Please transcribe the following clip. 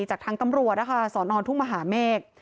จากทางตำรัวสรณอนทุกมหาเมฆ